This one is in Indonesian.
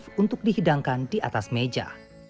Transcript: dan menghidangkan di atas meja